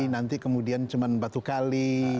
nanti kemudian cuma batu kali